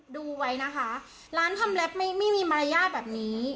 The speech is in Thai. ดูไว้นะคะร้านทำเล็บไม่มีมารยาทแบบนี้